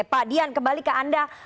pak dian kembali ke anda